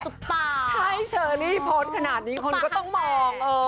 ใช่เชอรี่โพสต์ขนาดนี้คนก็ต้องมอง